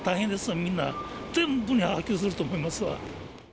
みんな、全部に波及すると思いますわ。